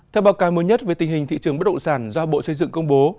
theo báo cáo mới nhất về tình hình thị trường bất động sản do bộ xây dựng công bố